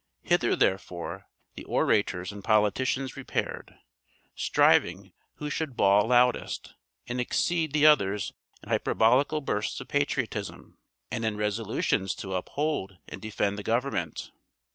Hither, therefore, the orators and politicians repaired, striving who should bawl loudest, and exceed the others in hyperbolical bursts of patriotism, and in resolutions to uphold and defend the government.